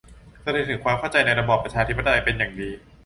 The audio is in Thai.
แสดงถึงความเข้าใจในระบอบประชาธิปไตยเป็นอย่างดี